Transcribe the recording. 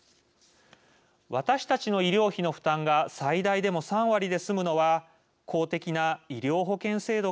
私たちの医療費の負担が最大でも３割で済むのは公的な医療保険制度があるからです。